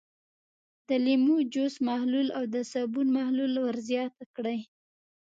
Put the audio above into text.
د لیمو جوس محلول او د صابون محلول ور زیات کړئ.